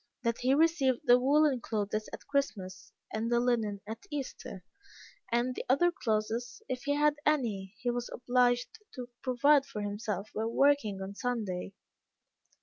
That he received the woollen clothes at Christmas, and the linen at Easter; and all the other clothes, if he had any, he was obliged to provide for himself by working on Sunday.